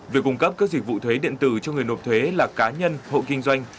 việc cung cấp các dịch vụ thuế điện tử cho người nộp thuế là cá nhân hộ kinh doanh